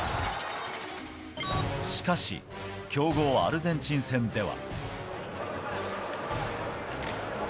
しかし強豪アルゼンチン戦では。